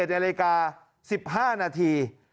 นาฬิกา๑๕นาที